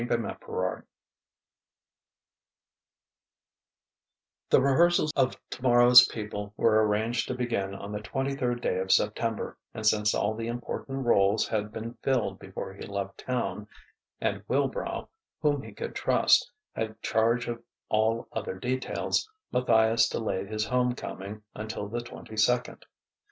XXXVIII The rehearsals of "Tomorrow's People" were arranged to begin on the twenty third day of September; and since all the important rôles had been filled before he left Town, and Wilbrow, whom he could trust, had charge of all other details, Matthias delayed his home coming until the twenty second.